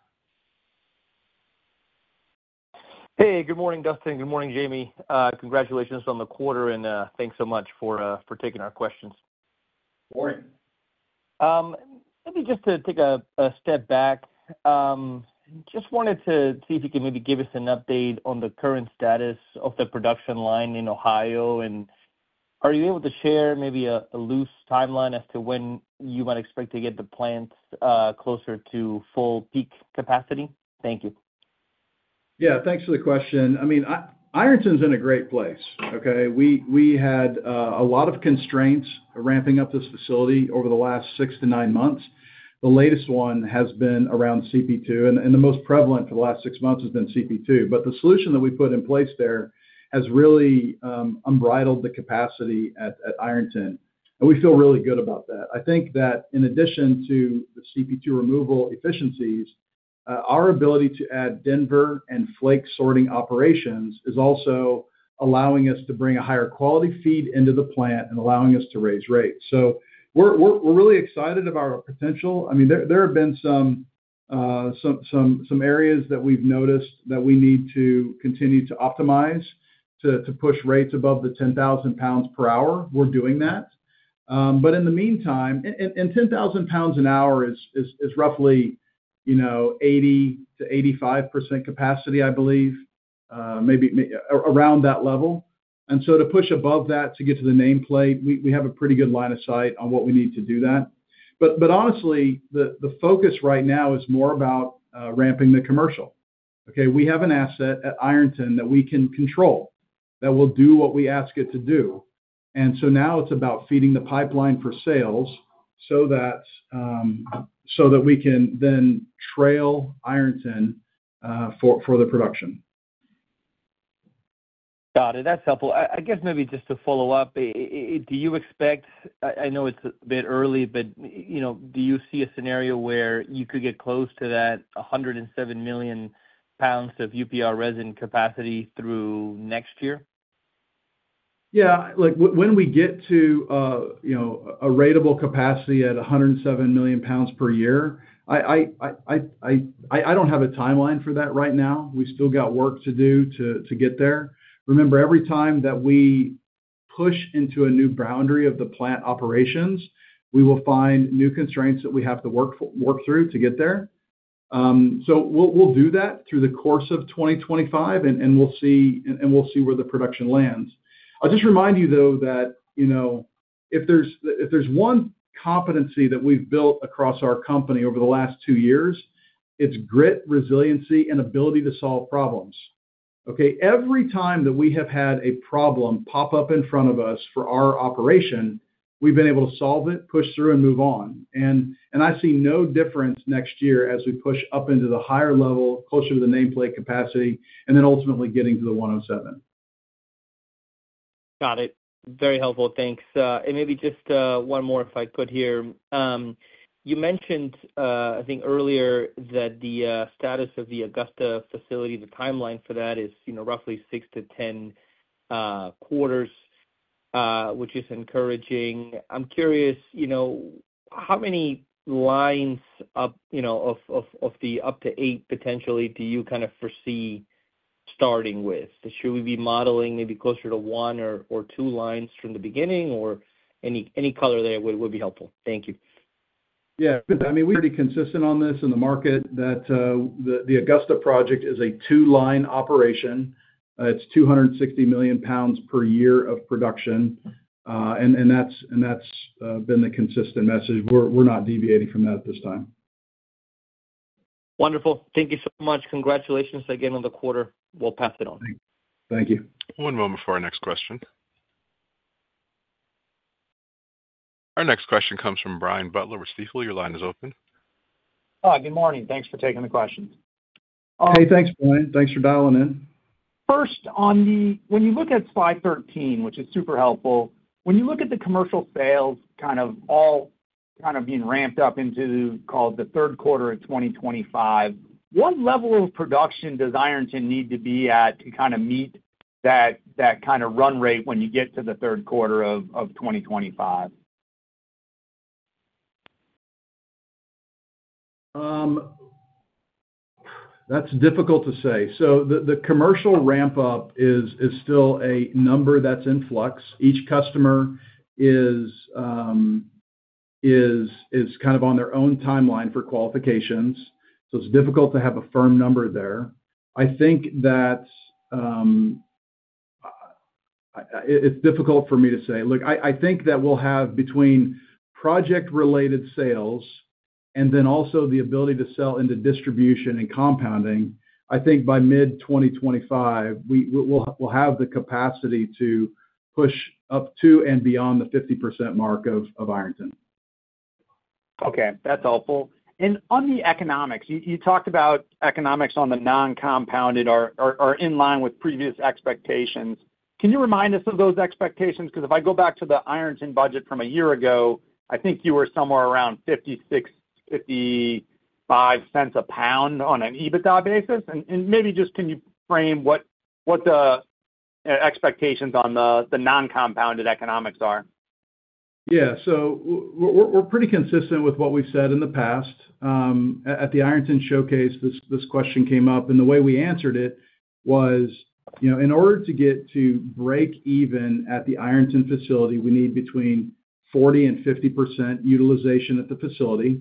Hey, good morning, Dustin. Good morning, Jamie. Congratulations on the quarter and thanks so much for taking our questions. Maybe just to take a step back, just wanted to see if you could maybe give us an update on the current status of the production line in Ohio. And are you able to share maybe a loose timeline as to when you might expect to get the plants closer to full peak capacity? Thank you. Yeah, thanks for the question. I mean, Ironton's in a great place. Okay.We had a lot of constraints ramping up this facility over the last six to nine months. The latest one has been around CP2, and the most prevalent for the last six months has been CP2. But the solution that we put in place there has really unbridled the capacity at Ironton. And we feel really good about that. I think that in addition to the CP2 removal efficiencies, our ability to add Denver and Flake sorting operations is also allowing us to bring a higher quality feed into the plant and allowing us to raise rates. So we're really excited about our potential. I mean, there have been some areas that we've noticed that we need to continue to optimize to push rates above the 10,000 pounds per hour. We're doing that. But in the meantime. 10,000 pounds an hour is roughly 80%-85% capacity, I believe, around that level. To push above that to get to the nameplate, we have a pretty good line of sight on what we need to do that. But honestly, the focus right now is more about ramping the commercial. Okay. We have an asset at Ironton that we can control that will do what we ask it to do. Now it's about feeding the pipeline for sales so that we can then trail Ironton for the production. Got it. That's helpful, I guess. Maybe just to follow up. Do you expect? I know it's a bit early, but, you know, do you expect. Do you see a scenario where you could get close to that 107 million pounds of UPR resin capacity through next year? Yeah. Like when we get to, you know, a ratable capacity at 107 million pounds per year, I don't have a timeline for that right now. We still got work to do to get there. Remember, every time that we push into a new boundary of the plant operations, we will find new constraints that we have to work through to get there. So we'll do that through the course of 2025, and we'll see where the production lands. I'll just remind you, though, that if there's one competency that we've built across our company over the last two years, it's grit, resiliency, and ability to solve problems. Okay. Every time that we have had a problem pop up in front of us for our operation, we've been able to solve it, push through and move on. I see no difference next year as we push up into the higher level, closer to the nameplate capacity, and then ultimately getting to the 107 million pounds. Got it. Very helpful. Thanks. And maybe just one more if I could here. You mentioned I think earlier that the status of the Augusta facility. The timeline for that is roughly six to 10, 10 quarters, which is encouraging. I'm curious, you know, how many lines of the up to eight potentially do you kind of foresee starting with? Should we be modeling maybe closer to one or two lines from the beginning or any color there would be helpful. Thank you. Yeah, I mean we're pretty consistent on this in the market that the Augusta project is a two line operation. It's 260 million pounds per year of production. And that's been the consistent message. We're not deviating from that at this time. Wonderful. Thank you so much. Congratulations again on the quarter. We'll pass it on. Thank you. One moment for our next question. Our next question comes from Brian Butler with Stifel. Your line is open. Good morning. Thanks for taking the questions. Hey, thanks Brian. Thanks for dialing in. When you look at slide 13, which is super helpful, when you look at the commercial sales kind of all being ramped up in the third quarter of 2025, what level of production does Ironton need to be at to kind of meet that kind of run rate? When you get to the third quarter of 2025. That's difficult to say. So the commercial ramp up is still a number that's in flux. Each customer is kind of on their own timeline for qualifications. So it's difficult to have a firm number there. I think that it's difficult for me to say, look, I think that we'll have between project related sales and then also the ability to sell into distribution and compounding. I think by mid-2025 we will have the capacity to push up to and beyond the 50% mark of Ironton. Okay, that's helpful. And on the economics you talked about, economics on the non compounded are in line with previous expectations. Can you remind us of those expectations? Because if I go back to the Ironton budget from a year ago, I think you were somewhere around $0.56, $0.55 Yeah, so we're pretty consistent with what we've said in the past at the Ironton showcase. This question came up and the way we answered it was, you know, in order to get to break even at the Ironton facility, we need between 40% and 50% utilization at the facility,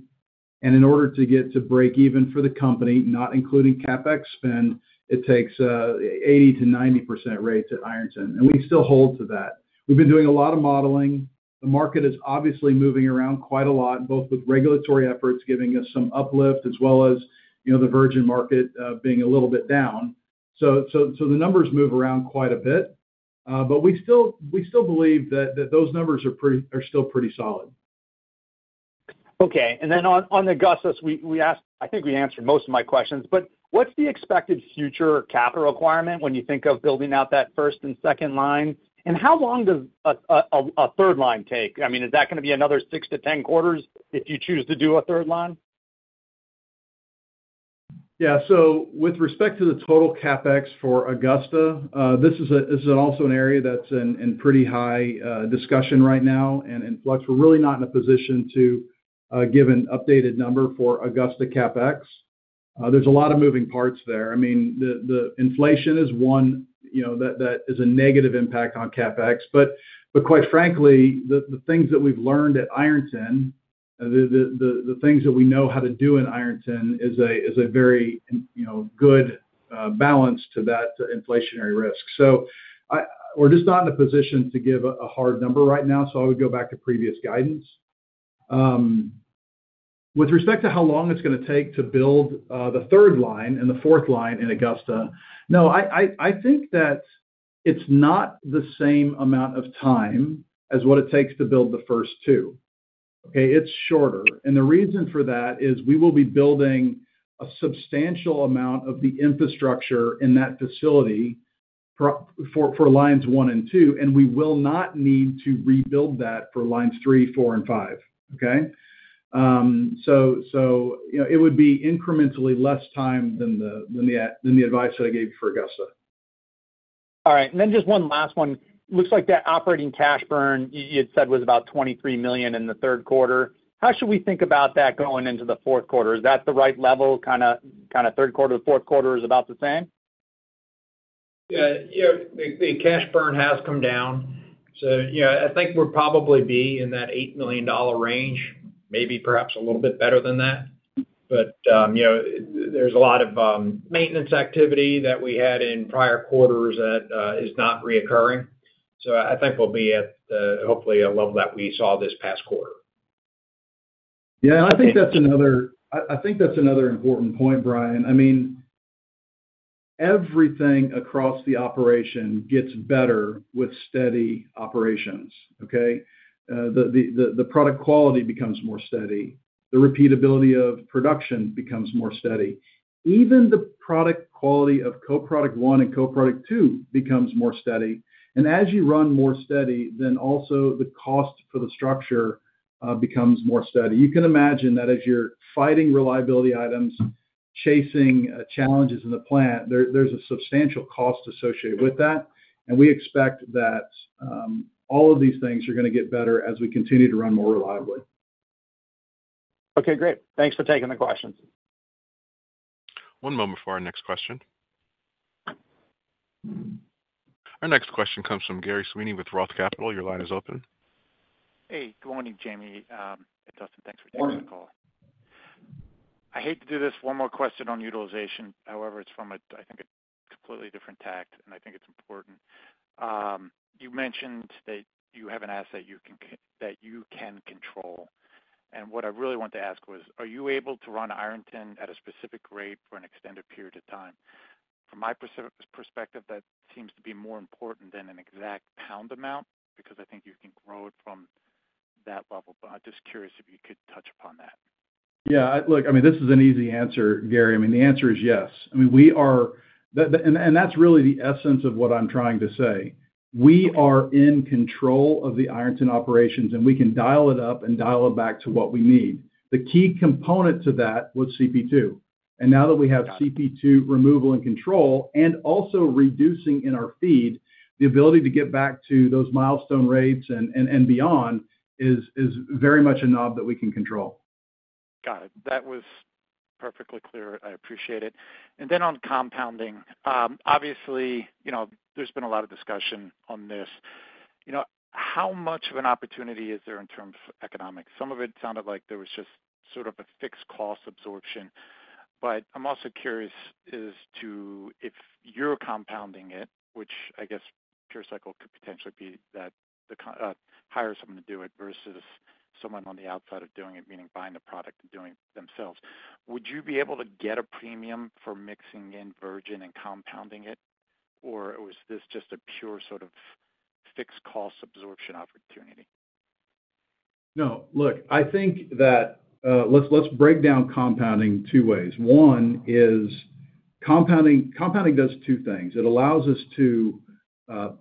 and in order to get to break even for the company, not including CapEx spend, it takes 80%-90% rates at Ironton and we still hold to that. We've been doing a lot of modeling. The market is obviously moving around quite a lot, both with regulatory efforts giving us some uplift as well as, you know, the virgin market being a little bit down, so the numbers move around quite a bit, but we still believe that those numbers are still pretty solid. Okay. Then on the Augusta, we asked. I think we answered most of my questions, but what's the expected future capital requirement when you think of building out that first and second line? And how long does a third line take? I mean, is that going to be another six-to-ten quarters if you choose to do a third line? Yeah. With respect to the total CapEx for Augusta, this is also an area that's in pretty high discussion right now. And inflation. We're really not in a position to give an updated number for Augusta CapEx. There's a lot of moving parts there. I mean the inflation is one, you know, that is a negative impact on CapEx. But quite frankly, the things that we've learned at Ironton, the things that we know how to do in Ironton is a very good balance to that inflationary risk. So we're just not in a position to give a hard number right now. So I would go back to previous guidance with respect to how long it's going to take to build the third line and the fourth line in Augusta. Now, I think that it's not the same amount of time as what it takes to build the first two. Okay. It's shorter. And the reason for that is we will be building a substantial amount of the infrastructure in that facility for lines one and two and we will not need to rebuild that for lines three, four and five. Okay. So it would be incrementally less time than the advice that I gave for Augusta. All right. And then just one last one. Looks like that operating cash burn you had said was about $23 million in the third quarter. How should we think about that going into the fourth quarter? Is that the right level? Kind of, kind of third quarter to fourth quarter is about the same. The cash burn has come down. So yeah, I think we'll probably be in that $8 million range, maybe perhaps a little bit better than that. But there's a lot of maintenance activity that we had in prior quarters that is not recurring. So I think we'll be at hopefully a level that we saw this past quarter. Yeah, I think that's another. I think that's another important point, Brian. I mean, everything across the operation gets better with steady operations. Okay? The product quality becomes more steady, the repeatability of production becomes more steady. Even the product quality of Co-Product 1 and Co-Product 2 becomes more steady. As you run more steady, then also the cost structure becomes more steady. You can imagine that as you're fighting reliability items, chasing challenges in the plant, there's a substantial cost associated with that. And we expect that all of these things are going to get better as we continue to run more reliably. Okay, great. Thanks for taking the questions. One moment for our next question. Our next question comes from Gerry Sweeney with Roth Capital. Your line is open. Hey, good morning, Jaime. Dustin, thanks for taking the call. I hate to do this one more question on utilization. However, it's from, I think a completely different tack. And I think it's important you mentioned that you have an asset that you can control. And what I really want to ask was, are you able to run Ironton at a specific for an extended period of time? From my perspective, that seems to be more important than an exact pound amount, because I think you can grow it from that level. But I'm just curious if you could touch upon that. Yeah, look, I mean, this is an easy answer, Gerry. I mean, the answer is yes. I mean, we are. And that's really the essence of what I'm trying to say. We are in control of the Ironton operations and we can dial it up and dial it back to what we need. The key component to that was CP2. And now that we have CP2 removal and control and also reducing in our feed the ability to get back to those milestone rates and beyond is very much a knob that we can control. Got it. That was perfectly clear. I appreciate it. And then on compounding, obviously, you know, there's been a lot of discussion on this. You know, how much of an opportunity is there in terms of economics? Some of it sounded like there was just sort of a fixed cost absorption. But I'm also curious as to if you're compounding it, which I guess PureCycle could potentially either hire someone to do it versus someone on the outside doing it, meaning buying the product and doing it themselves. Would you be able to get a premium for mixing in virgin and compounding it, or was this just a pure sort of fixed cost absorption opportunity? Now, look, I think that let's break down compounding two ways. One is compounding does two things. It allows us to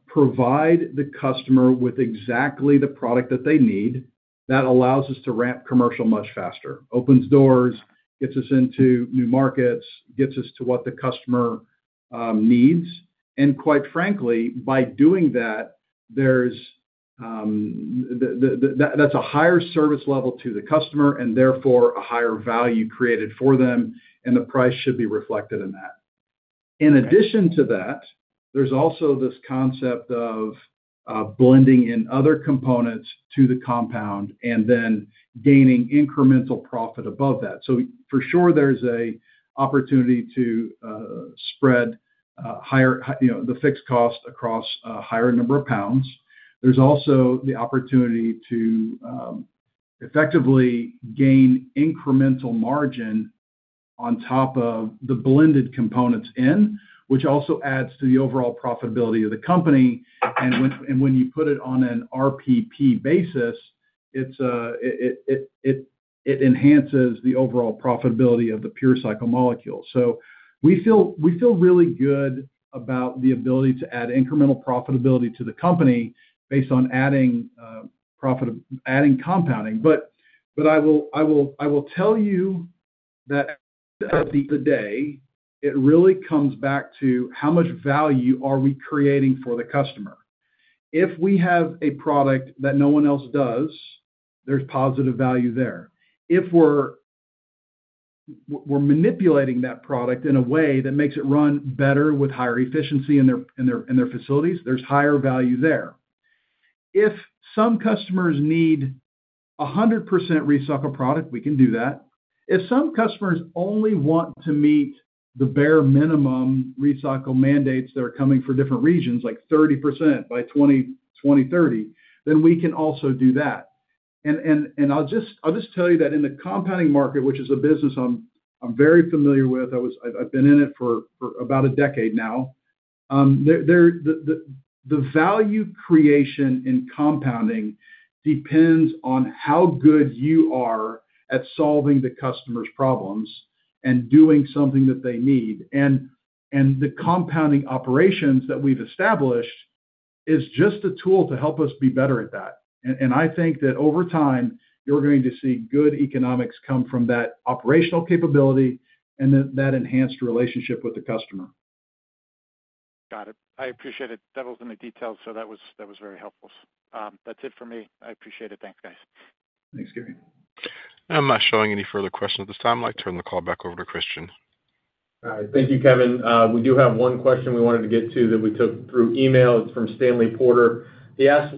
provide the customer with exactly the product that they need. That allows us to ramp commercial much faster, opens doors, gets us into new markets, gets us to what the customer needs. And quite frankly, by doing that, that's a higher service level to the customer and therefore a higher value created for them. And the price should be reflected in that. In addition to that, there's also this concept of blending in other components to the compound and then gaining incremental profit above that. So for sure, there's an opportunity to spread higher, you know, the fixed cost across a higher number of pounds. There's also the opportunity to effectively gain incremental margin on top of the blended components in which also adds to the overall profitability of the company. And when you put it on an RPP basis, it enhances the overall profitability of the PureCycle molecule. So we feel really good about the ability to add incremental profitability to the company based on adding compounding. But I will tell you that at the end of the day, it really comes back to how much value are we creating for the customer. If we have a product that no one else does, there's positive value there. If we're manipulating that product in a way that makes it run better with higher efficiency in their facilities, there's higher value there. If some customers need 100% recycled product, we can do that. If some customers only want to meet the bare minimum recycling mandates that are coming for different regions, like 30% by 2020, 2030, then we can also do that. I'll just tell you that in the compounding market, which is a business I'm very familiar with, I've been in it for about a decade now, the value creation in compounding depends on how good you are at solving the customer's problems and doing something that they need. The compounding operations that we've established just a tool to help us be better at that. I think that over time, you're going to see good economics come from that operational capability and that enhanced relationship with the customer. Got it. I appreciate it. Dustin in the details. So that was very helpful. That's it for me. I appreciate it. Thanks, guys. Thanks, Gerry. I'm not showing any further questions at this time. I'd like to turn the call back over to Christian. All right, thank you, Kevin. We do have one question we wanted to get to that we took through email. It's from Stanley Porter. He asked,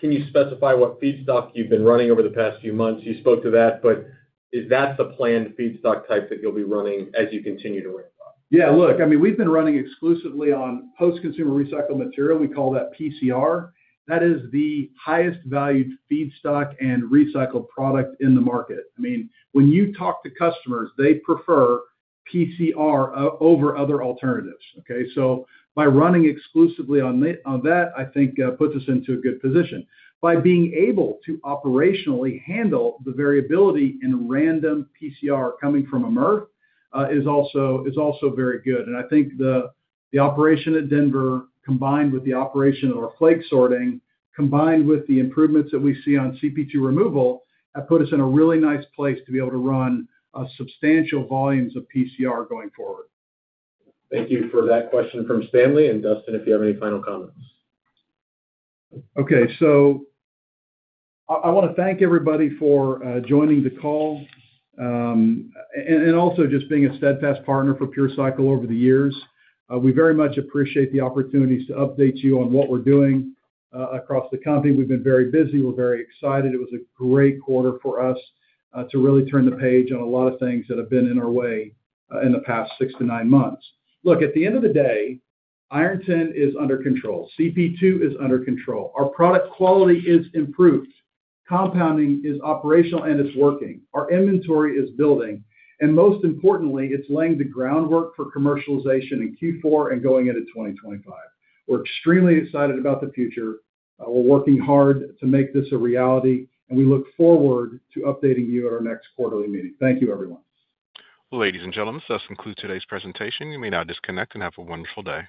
can you specify what feedstock you've been running over the past few months? You spoke to that, but is that the planned feedstock type that you'll be running as you continue to ramp up. Yeah, look, I mean, we've been running exclusively on post consumer recycled material. We call that PCR. That is the highest valued feedstock and recycled product in the market. I mean, when you talk to customers, they prefer PCR over other alternatives. Okay, so by running exclusively on that, I think [that] puts us into a good position by being able to operationally handle the variability in random PCR coming from a MRF. [That] is also very good. And I think the operation at Denver combined with the operation of our flake sorting, combined with the improvements that we see on CP2 removal, have put us in a really nice place to be able to run substantial volumes of PCR going forward. Thank you for that question from Christian. Dustin, If you have any final comments. Okay, so I want to thank everybody for joining the call and also just being a steadfast partner for PureCycle over the years. We very much appreciate the opportunities to update you on what we're doing across the company. We've been very busy. We're very excited. It was a great quarter for us to really turn the page on a lot of things that have been in our way in the past six to nine months. Look, at the end of the day, Ironton is under control, CP2 is under control. Our product quality is improved, compounding is operational and it's working. Our inventory is building, and most importantly, it's laying the groundwork for commercialization in Q4 and going into 2025. We're extremely excited about the future. We're working hard to make this a reality and we look forward to updating you at our next quarterly meeting. Thank you, everyone. Ladies and gentlemen, thus concludes today's presentation. You may now disconnect and have a wonderful day.